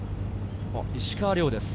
石川遼です。